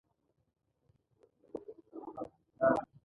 رسۍ د غلې له بوجۍ تړلو لپاره کارېږي.